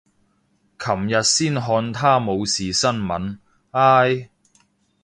琴日先看他冇事新聞，唉。